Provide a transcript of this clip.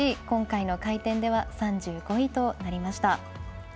今回の回転では３５位となりました。